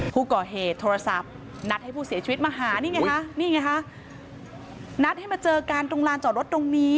ผู้ก่อเหตุโทรศัพท์นัดให้ผู้เสียชีวิตมาหานี่ไงคะนี่ไงคะนัดให้มาเจอกันตรงลานจอดรถตรงนี้